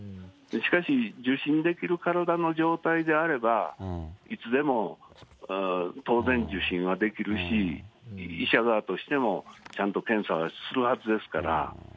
しかし、受診できる体の状態であれば、いつでも当然、受診はできるし、医者側としても、ちゃんと検査するはずですから。